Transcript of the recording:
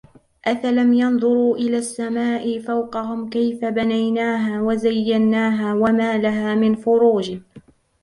أَفَلَمْ يَنْظُرُوا إِلَى السَّمَاءِ فَوْقَهُمْ كَيْفَ بَنَيْنَاهَا وَزَيَّنَّاهَا وَمَا لَهَا مِنْ فُرُوجٍ